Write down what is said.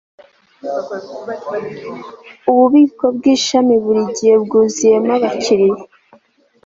ububiko bwishami buri gihe bwuzuyemo abakiriya